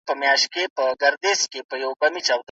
ژوند د الله امانت وګڼئ.